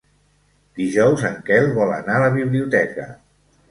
Dijous en Quel vol anar a la biblioteca.